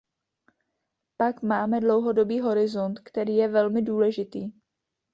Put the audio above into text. Pak máme dlouhodobý horizont, který je velmi důležitý.